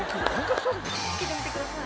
着けてみてください。